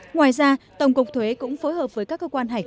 ngoài ra tổng cục thuế cũng phối hợp với các cơ quan hành vi